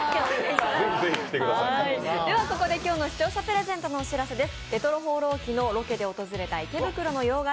ではここで今日の視聴者プレゼントのお知らせです。